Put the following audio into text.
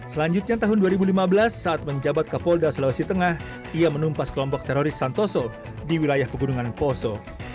selanjutnya tahun dua ribu lima belas saat menjabat kapolda sulawesi tengah ia menumpas kelompok teroris santoso di wilayah pegunungan poso